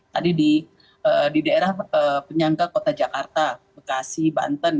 tadi di daerah penyangga kota jakarta bekasi banten